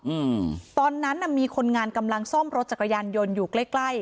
อืมตอนนั้นน่ะมีคนงานกำลังซ่อมรถจักรยานยนต์อยู่ใกล้ใกล้